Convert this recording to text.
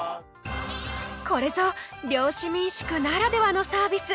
これぞ漁師民宿ならではのサービス！